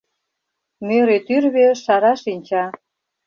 Мӧрӧ тӱрвӧ, шара шинча —